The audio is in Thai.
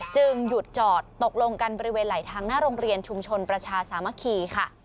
หยุดจอดตกลงกันบริเวณไหลทางหน้าโรงเรียนชุมชนประชาสามัคคีค่ะ